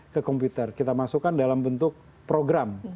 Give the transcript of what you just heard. ke komputer kita masukkan dalam bentuk program